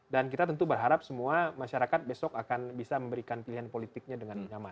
dan kita tentu berharap semua masyarakat besok akan bisa memberikan pilihan politiknya dengan nyaman